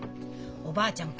おばあちゃん